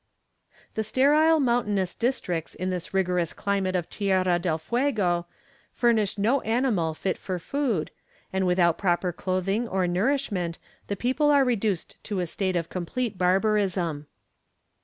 The sterile mountainous districts in this rigorous climate of Tierra del Fuego furnish no animal fit for food, and without proper clothing or nourishment the people are reduced to a state of complete barbarism.